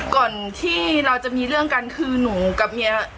อ๋อก่อนที่เรารู้เรื่องกันคือหนูนะครับ